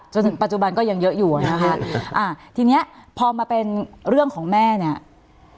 จนถึงปัจจุบันก็ยังเยอะอยู่อ่ะนะคะอ่าทีเนี้ยพอมาเป็นเรื่องของแม่เนี่ย